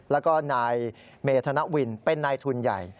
แล้วก็นายเมธนวินเป็นนายทุนใหญ่